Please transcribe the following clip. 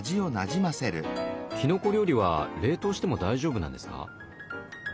きのこ料理は冷凍しても大丈夫なんですか？